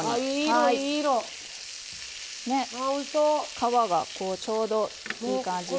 皮がちょうどいい感じに。